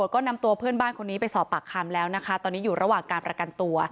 ก็นำตัวเพื่อนบ้านคนนี้ไปสอบปากคำแล้วนะคะตอนนี้อยู่ระหว่างการประกันตัว